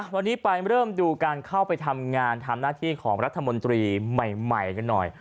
วันนี้ไปเริ่มดูการเข้าไปทำงานทำหน้าที่ของรัฐมนตรีใหม่กันหน่อย